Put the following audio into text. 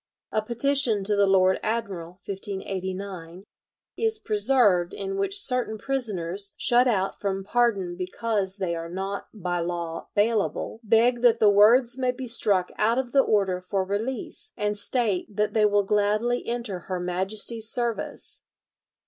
A petition to the Lord Admiral (1589) is preserved in which certain prisoners, shut out from pardon because they are not "by law bailable," beg that the words may be struck out of the order for release, and state that they will gladly enter her Majesty's service.